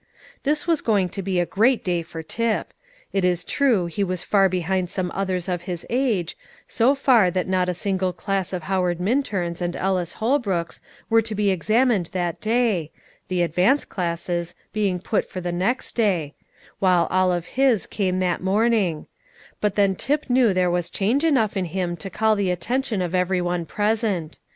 This was going to be a great day for Tip; it is true he was far behind some others of his age, so far that not a single class of Howard Minturn's and Ellis Holbrook's were to be examined that day, the advance classes being put for the next day, while all of his came that morning; but then Tip knew there was change enough in him to call the attention of every one present.